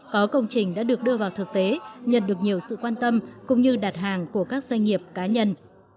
có công trình đã được đưa vào thực tế nhận được nhiều sự quan tâm cũng như đặt hàng của các doanh nghiệp cá nhân